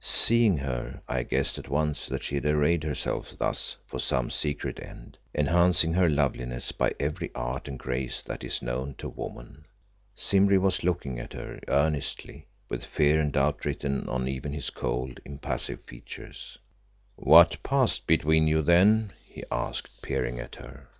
Seeing her I guessed at once that she had arrayed herself thus for some secret end, enhancing her loveliness by every art and grace that is known to woman. Simbri was looking at her earnestly, with fear and doubt written on even his cold, impassive features. "What passed between you, then?" he asked, peering at her.